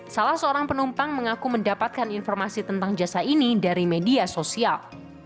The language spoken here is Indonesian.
salah seorang penumpang mengaku mendapatkan informasi tentang jasa ini dari media sosial